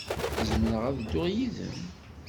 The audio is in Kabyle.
Zemreɣ ad dduɣ yid-m?